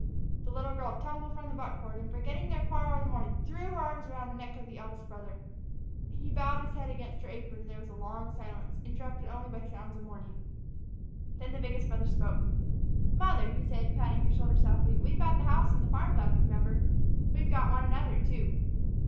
The little girl tumbled from the buckboard and, forgetting their quarrel of the morning, threw her arms around the eldest brother's neck. He bowed his head against her apron, and there was a long silence, interrupted only by sounds of mourning. Then the biggest brother spoke. "Mother," he said, patting her shoulder softly, "we've got the house and the farm left, remember. We've got one another, too."